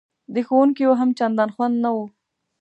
د ښوونکیو هم چندان خوند نه و.